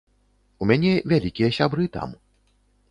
У мяне вялікія сябры там.